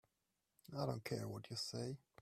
I don't care what you say.